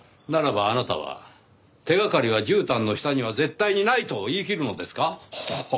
ならばあなたは手掛かりは絨毯の下には絶対にないと言いきるのですか？